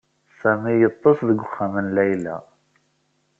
Sami yeḍḍes deg uxxam n Layla.